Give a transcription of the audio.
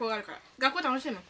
学校楽しいもん。